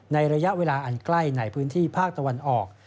ระยะเวลาอันใกล้ในพื้นที่ภาคตะวันออก